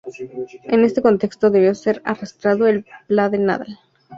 En este contexto debió ser arrasado el Pla de Nadal.